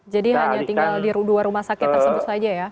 jadi hanya tinggal di dua rumah sakit tersebut saja ya